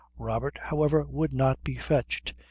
Robert, however, would not be fetched.